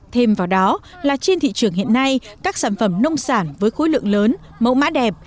thêm vào đó là trên thị trường hiện nay các sản phẩm nông sản với khối lượng lớn mẫu mã đẹp